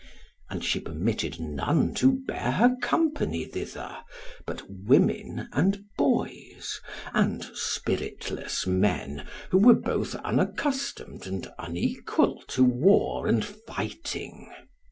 And she permitted none to bear her company thither but women and boys, and spiritless men, who were both unaccustomed and unequal to war and fighting.